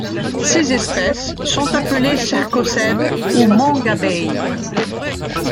Ces espèces sont appelées cercocèbes ou mangabeys.